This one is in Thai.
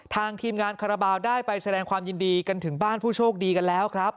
ทีมงานคาราบาลได้ไปแสดงความยินดีกันถึงบ้านผู้โชคดีกันแล้วครับ